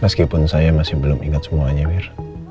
meskipun saya masih belum ingat semuanya mir